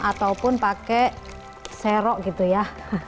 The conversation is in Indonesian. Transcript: ataupun pakai serok gitu ya